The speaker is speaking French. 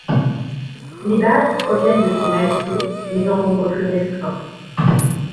Les bases proviennent de ces mêmes sources mais en nombre plus restreint.